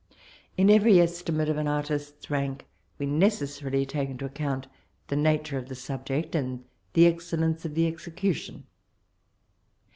In every estimate of an artist's rank we neces sarily take into account the nature of the subject and the excellence of the execution.